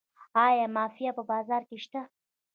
آیا مافیا په بازار کې شته؟